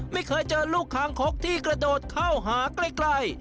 ไม่เคยเจอลูกคางคกที่กระโดดเข้าหาใกล้